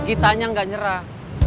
kita aja gak nyerah